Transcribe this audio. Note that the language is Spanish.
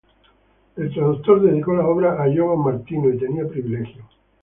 El traductor dedicó la obra a Giovan Martino y tenía privilegio.